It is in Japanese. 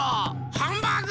ハンバーグ！